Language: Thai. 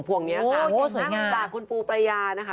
พ่อนี้ค่ะโหยังถ้าคุณปูปรยานะคะ